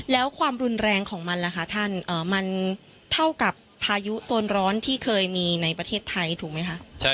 แล้วความรุนแรงของมันล่ะคะท่านมันเท่ากับพายุโซนร้อนที่เคยมีในประเทศไทยถูกไหมคะ